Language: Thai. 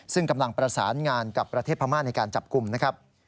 ซึ่งกำลังประสานงานกับประเทศพม่าในการจับกลุ่มนะครับ